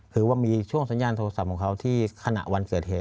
คือว่ามีช่วงสัญญาณโทรศัพท์ของเขาที่ขณะวันเกิดเหตุ